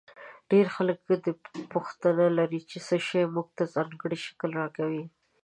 ډېر خلک دا پوښتنه لري چې څه شی موږ ته ځانګړی شکل راکوي.